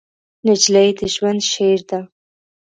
نجلۍ د ژوند شعر ده.